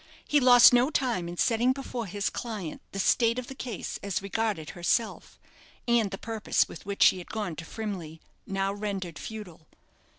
He lost no time in setting before his client the state of the case as regarded herself, and the purpose with which she had gone to Frimley, now rendered futile.